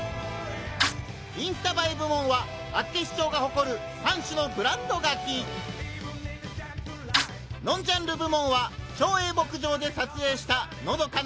「インスタ映え部門」は厚岸町が誇る３種の「ブランドガキ」！「ノンジャンル部門」は町営牧場で撮影したのどかな風景！